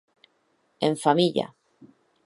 En familha!